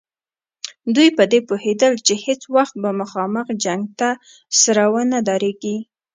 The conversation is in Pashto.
دوی په دې پوهېدل چې هېڅ وخت به مخامخ جنګ ته سره ونه دریږي.